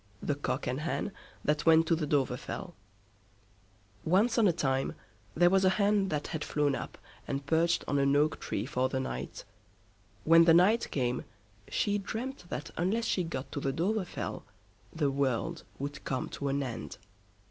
THE COCK AND HEN THAT WENT TO THE DOVREFELL Once on a time there was a Hen that had flown up, and perched on an oak tree for the night. When the night came, she dreamed that unless she got to the Dovrefell, the world would come to an end.